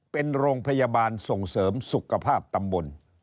เป็นโรงพยาบาลส่งเสริมสุขภาพตำบล